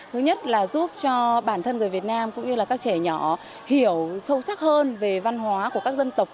thứ nhất là giúp cho bản thân người việt nam cũng như là các trẻ nhỏ hiểu sâu sắc hơn về văn hóa của các dân tộc